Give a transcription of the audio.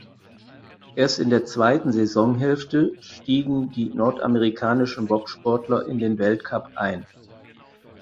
Erst in der zweiten Saisonhälfte stiegen die nordamerikanischen Bobsportler in den Weltcup ein.